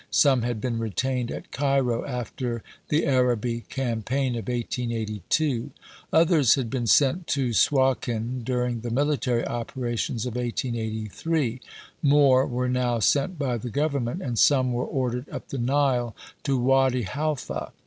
Some had been retained at Cairo after the Arabi Campaign of 1882. Others had been sent to Suakin during the "military operations" of 1883. More were now sent by the Government, and some were ordered up the Nile to Wady Halfa.